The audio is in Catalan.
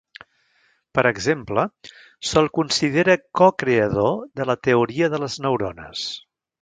Per exemple, se'l considera cocreador de la teoria de les neurones.